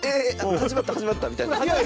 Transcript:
始まった、始まったみたいな。